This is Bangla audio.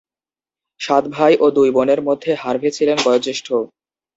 সাত ভাই ও দুই বোনের মধ্যে হার্ভে ছিলেন বয়োজ্যেষ্ঠ।